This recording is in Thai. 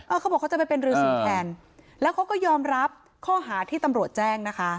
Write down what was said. เขาบอกเขาจะไปเป็นรือสีแทนแล้วเขาก็ยอมรับข้อหาที่ตำรวจแจ้งนะคะ